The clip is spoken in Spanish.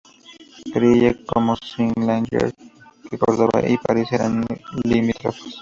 Creía, como Salinger, que Córdoba y París eran limítrofes.